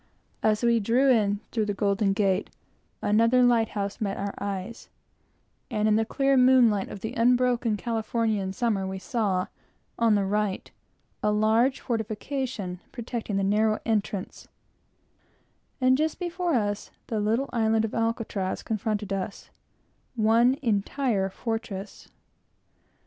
As we drew in through the Golden Gate, another light house met our eyes, and in the clear moonlight of the unbroken California summer we saw, on the right, a large fortification protecting the narrow entrance, and just before us the little island of Alcatraz confronted us, one entire fortress.